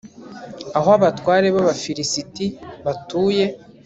aho abatware b'abafilisiti batuye